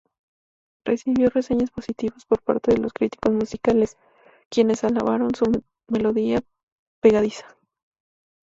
Recibió reseñas positivas por parte de los críticos musicales, quienes alabaron su melodía pegadiza.